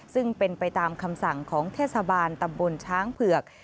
ซึ่งเป็นไปตามคำสั่งของเทศบาลตำบลช้างเผือก